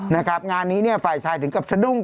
นะครับงานนี้เนี่ยฝ่ายชายถึงกับสะดุ้ง